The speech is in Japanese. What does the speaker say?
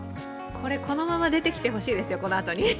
これこのまま出てきてほしいです、このあとに。